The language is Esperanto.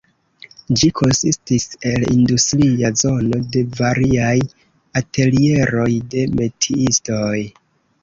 Ĝi konsistis el industria zono de variaj atelieroj de metiistoj.